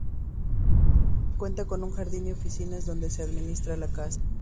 Cuenta con un jardín y oficinas donde se administra la casa.